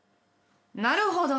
なるほど。